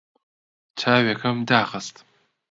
چاوێکم داخست.